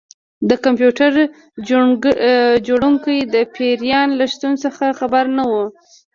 د کمپیوټر جوړونکی د پیریان له شتون څخه خبر نه و